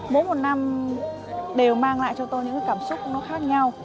mỗi một năm đều mang lại cho tôi những cảm xúc khác nhau